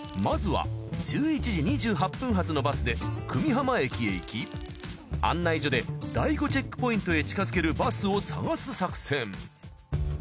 まずは１１時２８分発のバスで久美浜駅へ行き案内所で第５チェックポイントへ近づけるバスを探す作戦。